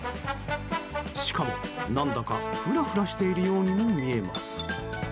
しかも、何だかフラフラしているようにも見えます。